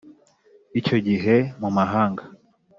Icyo gihe mu mahanga